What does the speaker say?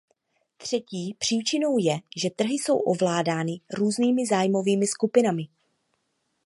Třetí příčinou je, že trhy jsou ovládány různými zájmovými skupinami.